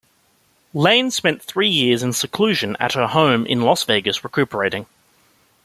Lane spent three years in seclusion at her home in Las Vegas recuperating.